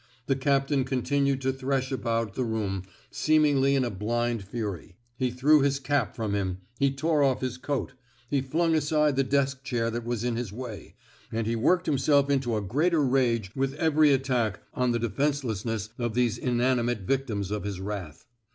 The captain continued to thresh about the room, seemingly in a blind fury. He threw his cap from him; he tore oflf his coat; he flung aside the desk chair that was in his way ; and he worked himself into a greater rage with every attack on the defencelessness of these inanimate victims of his wrath.